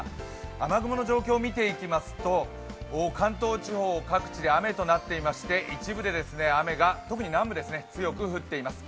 雨雲の状況を見ていきますと関東地方各地で雨となっていまして、一部で雨が、特に南部、強く降っています。